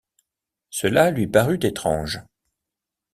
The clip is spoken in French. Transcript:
Cela lui parut étrange.